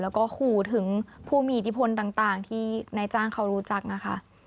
แล้วก็ขู่ถึงผู้มีอิทธิพลต่างที่นายจ้างเขารู้จักนะคะ